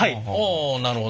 あなるほど。